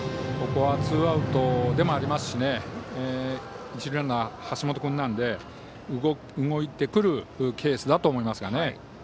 ここはツーアウトでもありますし一塁ランナー、橋本君なので動いてくるケースだと思いますが。